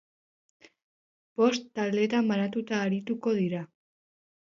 Bost taldetan banatuta arituko dira.